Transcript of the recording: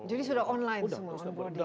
jadi sudah online semua